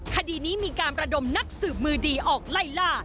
คดีนี้มีการประดมนักสืบมือดีออกไล่ล่า